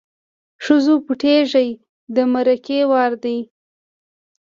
ښځو پټېږی د مرګي وار دی